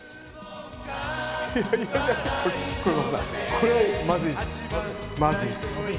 これはまずいです。